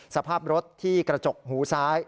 สภาพรถที่กระจกหูซ้าย